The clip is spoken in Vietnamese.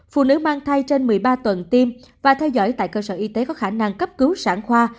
phụ nữ mang thai trên một mươi ba tuần tiêm và theo dõi tại cơ sở y tế có khả năng cấp cứu sản khoa